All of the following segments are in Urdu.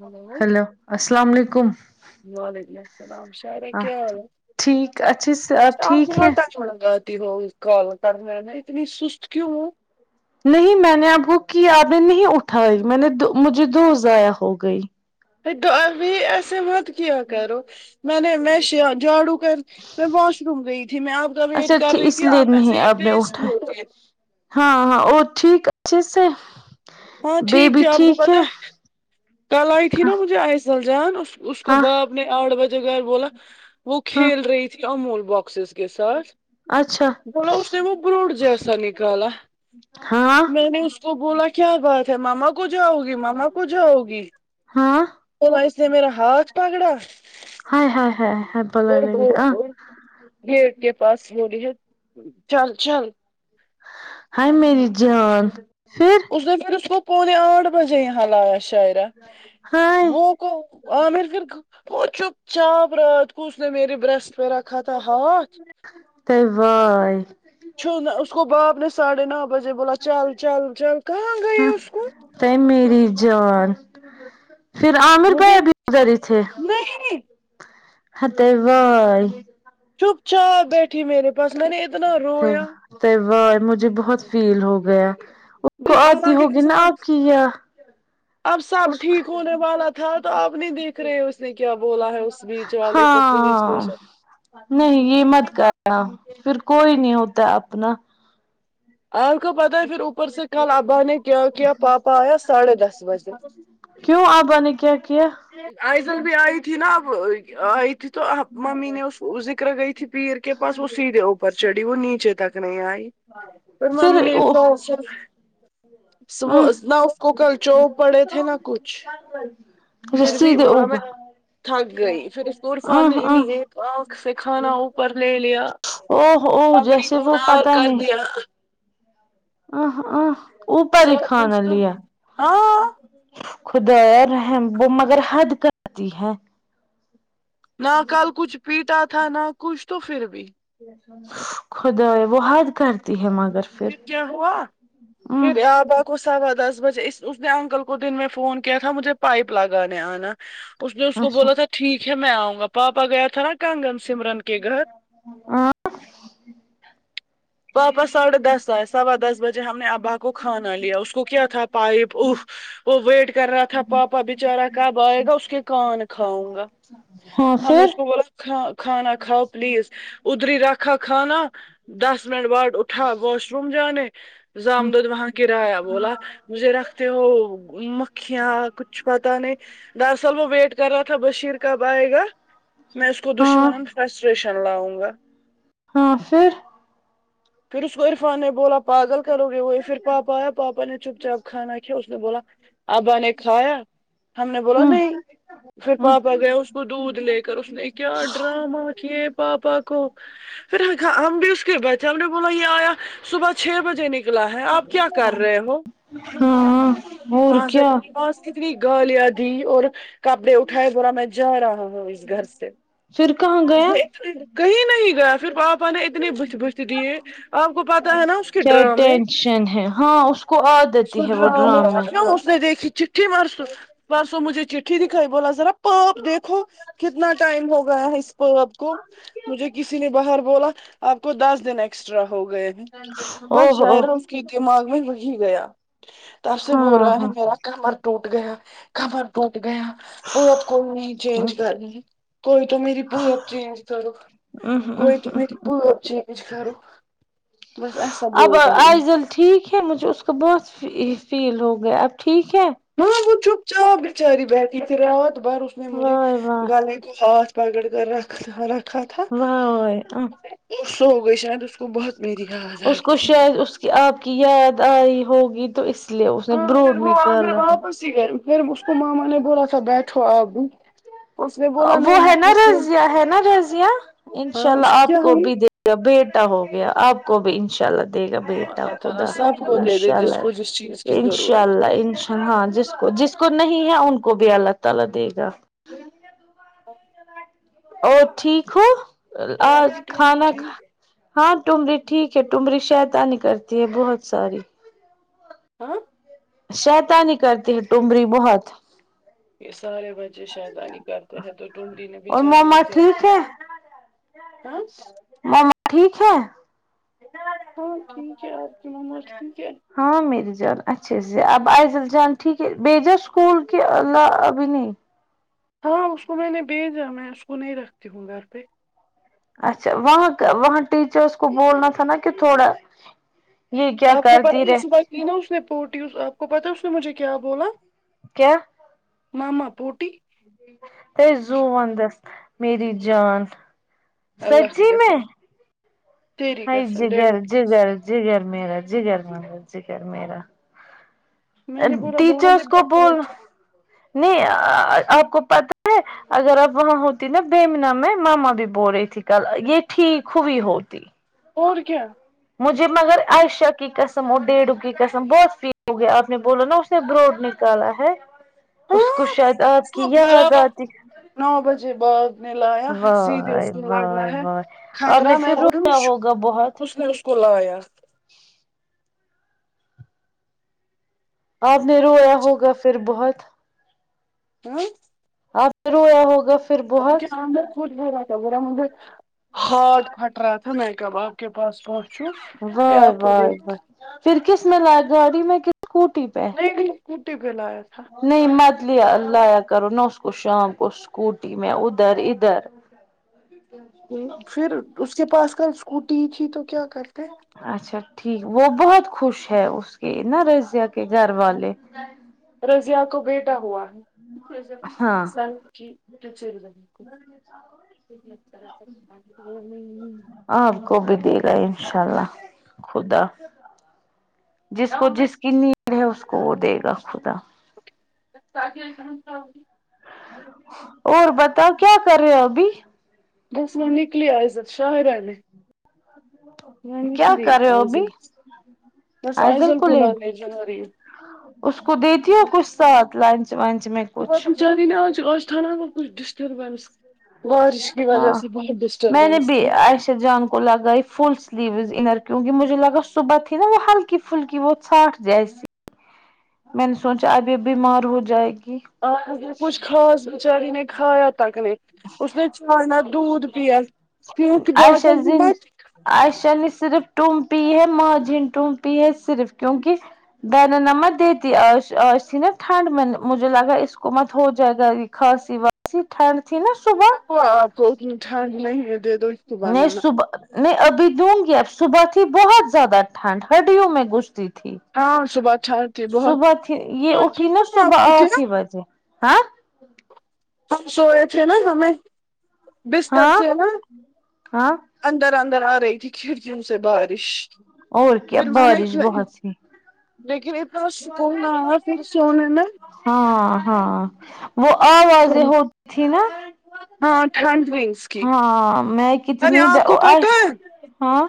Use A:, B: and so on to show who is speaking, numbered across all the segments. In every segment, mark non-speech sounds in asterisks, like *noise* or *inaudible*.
A: ہلو
B: ہیلو السلام و علیکم
A: وعلیکم السلام شعرا کیا حال ہے
B: ٹھیک اچھے سے
A: اچھا اپ
B: ٹھیک ہے
A: بہت ٹائم لگاتی ہو اس ایک کال کرنے میں اتنی سست کیوں ہو
B: نہیں میں نے ابو کی یادیں نہیں اٹھائی میں نے دو مجھے دو ضائع ہو گئی
A: تو ابھی ایسے مت کیا کرو میں نے میں شیا جاڑو کر میں واش روم گئی تھی میں آپ کا
B: اچھا
A: ویٹ کر
B: ٹھیک
A: رہی
B: اس
A: تھی
B: لیے
A: آپ ایسے
B: نہیں
A: یہ
B: آپ نے
A: وسٹ
B: اٹھا
A: ہوتے ہیں
B: ہاں ہاں اور ٹھیک اچھے سے
A: ہاں ٹھیک
B: بیبی
A: تھی آپ کو
B: ٹھیک
A: پتہ ہے کل آئی تھی نا مجھے آیسل جان اس کو
B: ہاں
A: باپ نے آٹھ بجے گھر بولا وہ
B: ہاں
A: کھیل رہی تھی امول باکسیز کے ساتھ
B: اچھا
A: مطلب اس نے وہ بروٹ جیسا نکالا
B: ہاں
A: میں نے اس کو بولا کیا بات ہے مما کو جاو گی مما کو جاو گی
B: ہاں
A: تو بھائی اس نے میرا ہاتھ پکڑا
B: ہائے ہاں ہ ہ
A: اور اور
B: *unintelligible*
A: گیٹ کے پاس ہولی ہے چل چل
B: ہائے میری جان پھر
A: اس نے پھر اس کو پونے آٹھ بجے یہاں لایا شاعرہ
B: ہائے
A: وہ عامر پھر وہ چپ چاپ رات کو اس نے میری برسٹ میرا کھاتا ہاتھ
B: طیبہ ائی
A: چھونا اس کو باپ نے ساڑھے نو بجے بولا چل چل چل کہاں گئی اس کو
B: اے میری جان پھر عامر
A: مجھے
B: بھیا بھی ادھر ہی تھے
A: نہیں
B: ہتے بھائی
A: چپ چاپ بیٹھی میرے پاس میں نے اتنا رویا
B: تو بھائی مجھے بہت فیل ہو گیا اس کو
A: دیکھ
B: آتی
A: اللہ کی
B: ہوگی نا
A: قسم
B: آپ کی یا
A: اب سب
B: اس
A: ٹھیک ہونے والا تھا تو اپ نہیں دیکھ رہے اس نے کیا بولا ہے اس بیچ والے کو پولیس
B: ہاں
A: اسٹیشن
B: نہیں یہ مت کرنا پھر کوئی نہیں ہوتا اپنا
A: آپ کو پتہ ہے پھر اوپر سے کل ابا نے کیا کیا پاپا آیا ساڑھے دس بجے
B: کیوں آبا نے کیا کیا
A: آئزل بھی آئی تھی نا اب آئی تھی تو اب ممی نے اس وہ ذکر گئی تھی پیر کے پاس وہ سیدھے اوپر چڑھی وہ نیچے تک نہیں آئی پھر ممی نے *unintelligible* صبح نہ اس کو کلچو پڑے تھے نہ کچھ پھر
B: رسی
A: بھی
B: دے
A: بولا میں
B: اوپر
A: تھک گئی پھر اس کو عرفان نے
B: آہ آہ
A: انہیں ایک ہاتھ سے کھانا اوپر لے لیا
B: اوہ اوہ
A: ککڑی
B: جیسے وہ
A: دھونا کر دیا
B: اه اہ اوپر ہی
A: سب
B: کھانا
A: کچھ تو
B: لیا
A: ہاں
B: خدایا رحم مگر حد کردی ہے
A: نہ کل کچھ پیٹا تھا نہ کچھ تو پھر بھی
B: خدا یا وہ حد کرتی ہے مگر
A: پھر کیا ہوا
B: ہوں
A: پھر یابا کو سوا دس بجے اس نے انکل کو دن میں فون کیا تھا مجھے پائپ لگانے آنا اس نے اس کو
B: اچھا
A: بولا تھا ٹھیک ہے میں آؤں گا پاپا گیا تھا کانگن سمرن کے گھر
B: ہاں
A: واپس دس آئے سوا دس بجے ہم نے ابا کو کھانا لیا اس کو کیا تھا پائپ اف وہ ویٹ کر رہا تھا پاپا بچارہ کب آئے گا اس کے کان کھاؤں گا
B: ہاں پھر
A: ب ک کھانا کھاؤ پلیز ادری رکھا کھانا دس منٹ بعد اٹھا واش روم جانے زامدد وہاں کرایہ بولا مجھے رکھتے ہو مکھیاں کچھ پتا نہیں دراصل وہ ویٹ کر رہا تھا بشیر کب آئے گا میں اس کو
B: ہاں
A: دشمن ہ فرسٹریشن تلاوں گا
B: ہاں پھر
A: پھر اس کو عرفان نے بولا پاگل کرو گے وہ پھر پاپا آیا پاپا نے چپ چاپ کھانا کیا اس نے بولا ابا نے کھایا ہم نے بولا
B: ہوں
A: نہیں پھر
B: ہوں
A: پاپ گیا اس کو دودھ لے کر اس نے کیا ڈرامہ کیے پاپا کو پھر ہم نے کہا ہم بھی اسکے بیس بولا یہ آیا صبح چھ بجے نکلا ہے آپ کیا کر رہے ہو
B: ہاں ہاں اور
A: وہاں سے
B: کیا
A: پاس اتنی گالیاں دی اور کپڑے اٹھائے بولا میں جا رہا ہوں گھر سے
B: پھر کہاں گ
A: اس نے کہیں نہیں گیا پھر پاپا نے اتنے بت بتھ دییے آپ کو پتا ہے نا اس کے
B: کیا
A: ڈرامے
B: ٹینشن ہے ہاں کو عادت
A: اس
B: ہی
A: کے
B: ہے وہ
A: ڈرامے اس نے دیکھی چٹھی پرسو پرسوں مجھے چٹھی دکھائی بولا ذرا پاپ دیکھو کتنا ٹائم ہو گیا ہے اس پاپ کو مجھے کسی نے باہر بولا آپ کو دس دن ایکسٹرا ہو گئے
B: او
A: بس
B: ہو
A: شاعرہ اس کے دماغ میں وہی گیا تب سے بول
B: ہاں
A: رہا ہے میرا کمر ٹوٹ گیا کمر ٹوٹ گیا پورپ کوئی نہیں چینج کرنی کوئی تو میری پورپ چینج کرو کوئی تو
B: ہاں
A: میری پورپ چینج کرو بس ایسا
B: اب
A: بولتا ہے
B: ایزل ٹھیک ہے مجھے اس کو بہت فی فیل ہو گیا اب ٹھیک ہے
A: ہاں وہ چپ چاپ بچاری بیٹھی تھی رات بھر اس نے مجھے
B: واہ واہ
A: گلے کو ہاتھ پکڑ کر رکھا رکھا تھا
B: واہ واہ
A: سوگئی شاید اس کو بہت میری یاد آئی
B: اس کو
A: تھی
B: شاید اس کی آپ کی یاد آئی ہوگی تو اس لیے اس نے بروڈ نکالا تھا
A: اتی گرمی پھر اس کو مما نے بولا تھا بیٹھو آپ اس نے بولا
B: وہ
A: نہیں
B: ہے
A: میں
B: نا
A: ایسے
B: رضیہ ہے نا رضیہ
A: ہاں
B: انشاء اللہ
A: اس
B: آپ
A: کیا
B: کو
A: ہوں
B: بھی دے بیٹا ہو گیا آپ کو بھی انشاء اللہ دے گا
A: چلو
B: بیٹا
A: اللہ تعالی
B: خدا
A: سب کو دے دے
B: انشاء
A: جس
B: اللہ
A: کو جس چیز کی
B: انشاء
A: ضرورت
B: اللہ
A: ہو
B: انش ہاں جس کو جس کو نہیں ہے ان کو بھی اللہ تعالی دے گا
A: *unintelligible*
B: آپ ٹھیک ہو
A: اور آپ
B: آج
A: کی ٹمری
B: کھانا کھا
A: ٹھیک
B: ہاں ٹمری ٹھیک ہے ٹمری شیطانی کرتی ہے بہت ساری
A: ہاں
B: شیطانی کرتی ہے ٹمری بہت
A: یہ سارے بچے شیطانی کرتے ہیں تو ٹمری نے
B: اور
A: بچاری نے
B: موما
A: کیا ہاں
B: ماما ٹھیک ہے
A: ہاں ٹھیک ہے آپ کی مما ٹھیک ہے
B: ہاں میری جان اچھے سے اب ائزال جان ٹھیک ہے بھیجا اسکول کے ابھی نہیں
A: ہاں اس کو میں نے بھیجا میں اس کو نہیں رکھتی ہوں گھر پہ
B: اچھا وہاں کا وہاں ٹیچرس کو بولنا تھا نا کہ تھوڑا یہ کیا
A: آپ کو پتا
B: کرتی
A: ہے صبح
B: رہتی
A: کی نا اس نے پوٹی آپ کو پتا ہے اس نے مجھے کیا بولا
B: کیا
A: ماما پوٹی
B: تے زواندست میری جان
A: اللہ کی
B: سچی میں
A: قسم تیری
B: ہے
A: قسم
B: جگر
A: ڈیڈو کی
B: جگر
A: قسم
B: جگر میرا جگر میرا جگر میرا
A: میں نے بولا بابا
B: ٹیچرس
A: دے
B: کو
A: بات
B: بول
A: بیٹھے
B: نہیں آآ آپ کو پتا ہے اگر اب وہاں ہوتی نا بیمنا میں ماما بھی بول رہی تھی کل یہ ٹھیک ہوئی ہوتی
A: اور کیا
B: مجھے مگر عائشہ کی قسم اور ڈیڈو کی قسم بہت فیل ہو گیا آپ نے بولا نا بروڈ نکالا ہے
A: ہاں
B: اس کو شاید
A: اس
B: آپ کی
A: کو
B: یاد
A: برابر
B: آتی
A: نو بجے بعد نے لایا سیدھے اس
B: واہ
A: میں لگ رہا
B: واہ
A: ہے
B: واہ آپ
A: خطرہ
B: نے
A: میں
B: پھر
A: بولو
B: رویا ہوگا بہت
A: اس نے اسے کولا یا
B: *inaudible* آپ نے رویا ہوگا پھر بہت
A: ہوں
B: آپ نے رویا ہوگا پھر
A: ان کے
B: بہت
A: اندر خود برا تھا برا مگر ہاتھ پھٹ رہا تھا میں کب آپ کے پاس پہنچوں پہ
B: واہ
A: آپ کو
B: واہ
A: دیکھ
B: واہ پھر کس میں لاۓ گاڑی میں کہ اسکوٹی پہ
A: نہیں اسکوٹی پہ لایا تھا
B: نہیں مت لایا کرو نہ اس کو شام کو اسکوٹی میں ادھر ادھر *inaudible*
A: پھر اس کے پاس کل اسکوٹی تھی تو کیا کرتے
B: اچھا ٹھیک وہ بہت خوش ہے اس کے نا رضیہ کے گھر والے
A: رضیہ کو بیٹا ہوا ہے
B: ہاں
A: کو۔
B: *inaudible* آپ کو بھی دے گا انشاء اللہ خدا جس کو جس کی نیڈ ہے اس کو وہ دے گا خدا
A: *inaudible*
B: اور بتاؤ کیا کر رہے ہو ابھی
A: جس میں نکلی ائزال شاہرہ نے میں
B: کیا
A: نکلی
B: کر رہے ہو ابھی
A: آئزل بس آئزل کو لانے کا رہی ہوں
B: اس کو دیتی ہو کچھ ساتھ لنچ ونچ میں کچھ
A: بچاری نے آج وہ تھا نا وہ کچھ ڈسٹربنس
B: ہاں میں نے
A: ڈسٹربینس
B: بھی
A: تھی
B: عائشہ جان کو لگائی فل سلیوز انر کیوںکہ مجھے لگا صبح تھی نا وہ ہلکی پھلکی وہ ساٹ جیسی میں نے سوچا اب یہ بیمار ہو جائے گی
A: کچھ خاص بچاری نے کھایا تک نے اس نے چارنا دودھ پیا کیونکہ
B: آ شر
A: بادل بھی
B: زین
A: مت
B: عائشہ نے صرف ٹوم پی ہے ماں جی نے ٹوم پی ہے صرف کیونکہ د ن نا مت دیتی آج آج تھی نا ٹھنڈ میں مجھے لگا اس کو مت ہو جائے گا کھسی باسی ٹھنڈ تھی نا صبح
A: آپ کو اتنی ٹھنڈ نہیں ہے دے دو اس کو
B: نہیں
A: بنانا
B: صبح میں ابھی دوں گی اب صبح تھی بہت زیادہ ٹھنڈ ہڈیوں میں گھستی تھی
A: ہاں صبح ٹھنڈ تھی بہت
B: صبح تھی
A: سوئے
B: یہ
A: تھے
B: اٹھی نا
A: میں آپ
B: صبح
A: کے
B: آٹھ
A: نا،
B: ہی بجے ہاں
A: ہم سوئے تھے نا ہمیں بستر
B: ہاں
A: سے نا
B: ہاں
A: اندر اندر آ رہی تھی کھڑکیوں سے بارش
B: اور کیا
A: پھر میں نے
B: بارش بہت سی
A: لیکن اتنا سکون نہ آیا پھر سونے میں
B: ہاں ہاں وہ آوازیں ہوتی تھی نا
A: ہاں ٹھنڈ ونگس کی
B: ہاں میں
A: ارے
B: کتنی د
A: آپ کو پتہ
B: وش
A: ہے
B: ہاں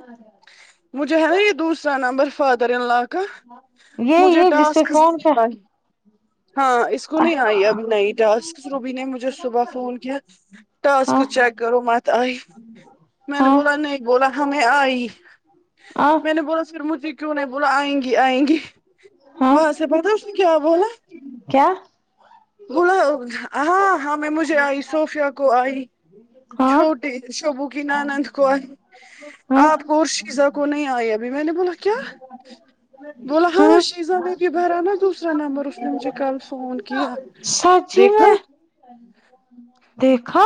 A: مجھے ہے یہ دوس را کا نمبر فادر ان لا کا
B: یہ
A: مجھے
B: یہ جس پہ
A: ٹاسک
B: فون
A: نہیں
B: کر
A: آئی ہاں اس کو نہیں آئی ابھی
B: ہاں
A: نہیں ٹاسک روبی نے مجھے صبح فون کیا ٹاسک چیک کرو مت آئی میں نے
B: ہاں
A: بولا نہیں بولا ہمیں آئی
B: ہاں
A: میں نے بولا پھر مجھے کیوں نہیں بولا آئیں گی آئیں گی
B: ہاں
A: وہاں سے پتا اس نے کیا بولا
B: کیا
A: بولا ہاں ہمیں مج جھے آئی صوفیا کو آئی
B: ہاں
A: چھوٹی شبو کی نند کو آئی
B: ہاں
A: آپ کو اور شیزا کو نہیں آئے ابھی میں نے بولا کیا بول ہاں شیزا نے بھی بھرا نا دوسرا نمبر اس نے مجھے کل فون کیا
B: سچی
A: دیکھا
B: میں دیکھا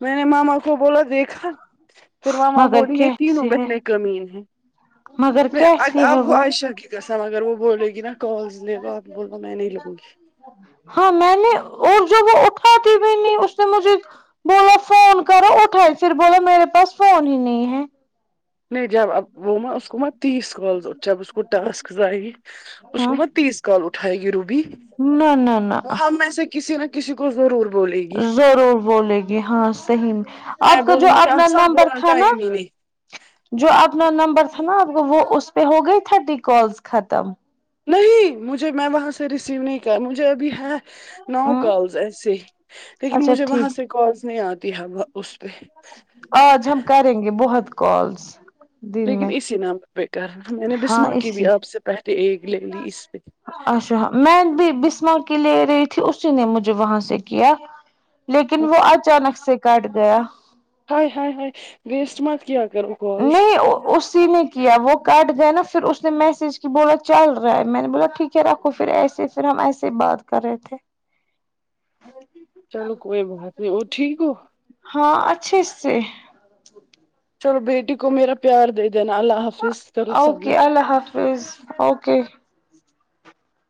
A: میں نے ماما کو بولا دیکھا پھر ماما
B: مگر
A: بولی یہ تینوں
B: کیسے ہے
A: بہن کمینی ہیں
B: مگر
A: میں
B: کیسی
A: اب
B: ہے
A: کو
B: وہ
A: عائشہ کی قسم اگر وہ بولے گی نا کال لے لو اب بولا میں نہیں لگوں گی
B: ہاں میں نے اور جو وہ اٹھاتی بھی نہیں اس نے مجھے بولا فون کرو اٹھائی پھر بولا میرے پاس فون ہی نہیں ہے
A: نہیں جب اب وہ میں اس کو میں تیس کالز جب اس کو ٹاسکس آئی اس
B: ہاں
A: کو میں تیس کال اٹھائے گی روبی
B: نہ نہ نہ
A: وہ ہم میں سے کسی نے
B: ضرور بولے گی ہاں صحیح
A: میں
B: آپ کا جو
A: بولوں گی
B: اپنا
A: سب
B: نمبر
A: بولا
B: تھا نہ
A: ٹائم ہی نہیں
B: جو اپنا نمبر تھا نا آپ کو وہ اس پہ ہو گئی تھرٹی کالس ختم
A: نہیں مجھے میں وہاں سے ریسیو نہیں کر مجھے ابھی ہے نو
B: ہوں
A: کالز ایسے ہی لیکن
B: اچھا
A: مجھے وہاں
B: ٹھیک
A: سے کالس نہیں آتی ہے اس پہ
B: آج ہم کریں گے بہت کالس دن
A: لیکن
B: میں
A: اسی نمبر پہ کر نا میں نے
B: ہاں
A: بسما کی
B: اسی
A: بھی آپ سے پہلے ایک لے لی اس پہ
B: اچھا میں بھی بسما کے لے رہی تھی اسی نے مجھے وہاں سے کیا لیکن وہ اچانک سے کٹ گیا
A: ہائے ہائے ہائے ویسٹ مت کیا کرو کالس
B: نہیں اسی نے کیا وہ کٹ گیا نا پھر اس نے میسج کی بولا چل رہا ہے میں نے بولا ٹھیک رکھو پھر ایسے پھر ہم ایسے ہی بات کر رہے تھے
A: چلو کوئی بات نہیں اور ٹھیک ہو
B: ہاں اچھے سے
A: چلو بیٹی کو میرا پیار دے دینا اللہ حافظ کرو
B: اوکے
A: سبمٹ
B: اللہ حافظ اوکے